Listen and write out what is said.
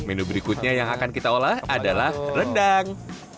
menu berikutnya yang akan kita olah adalah rendang